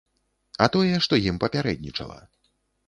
А тое, што ім папярэднічала.